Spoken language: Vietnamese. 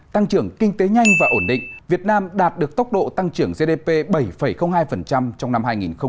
tăng trưởng kinh tế nhanh và ổn định việt nam đạt được tốc độ tăng trưởng gdp bảy hai trong năm hai nghìn hai mươi